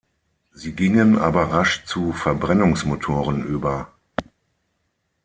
Sie gingen aber rasch zu Verbrennungsmotoren über.